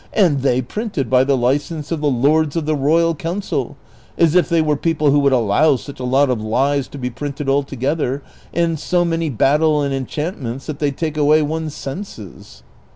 271 and they printed by the license of the Lords of the Royal Council, as if they were people who would allow such a lot of lies to be printed all together, and so many battle and enchant ments that they take away one's senses."